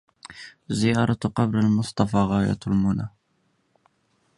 زيارة قبر المصطفى غاية المنى